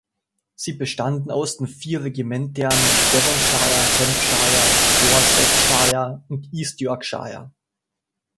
Sie bestanden aus den vier Regimentern "Devonshire", "Hampshire", "Dorsetshire" und "East Yorkshire".